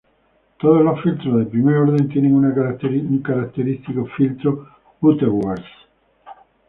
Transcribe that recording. Todos los filtros de primer orden tienen una característica filtro Butterworth.